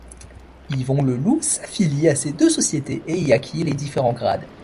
Yvon Le Loup s'affilie à ces deux sociétés et y acquit les différents grades.